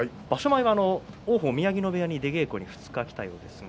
前は王鵬、宮城野部屋に出稽古、２日来たそうですが。